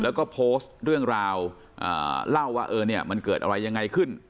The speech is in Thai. แล้วก็โพสต์เรื่องราวเล่าว่าเออเนี่ยมันเกิดอะไรยังไงขึ้น